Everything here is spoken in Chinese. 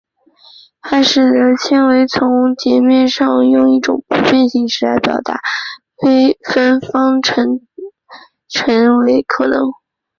它使得在纤维丛的截面上用一种不变形式来表达微分方程成为可能。